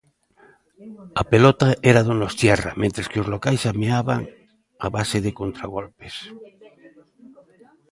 A pelota era donostiarra mentres que os locais ameaban a base de contragolpes.